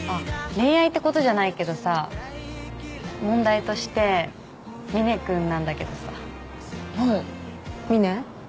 恋愛ってことじゃないけどさ問題としてみね君なんだけどさはいみね？